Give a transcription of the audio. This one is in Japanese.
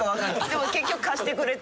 でも結局貸してくれて。